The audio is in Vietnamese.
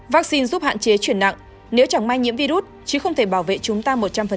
vaccine giúp hạn chế chuyển nặng nếu chẳng may nhiễm virus chứ không thể bảo vệ chúng ta một trăm linh